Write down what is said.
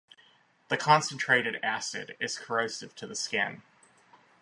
The concentrated acid is corrosive to the skin.